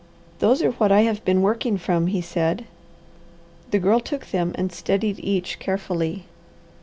"Those are what I have been working from," he said. The Girl took them and studied each carefully.